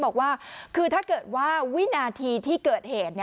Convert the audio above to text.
บอกว่าคือถ้าเกิดว่าวินาทีที่เกิดเหตุ